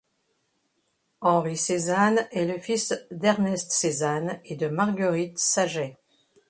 Henry Cézanne est le fils d'Ernest Cézanne et de Marguerite Sagey.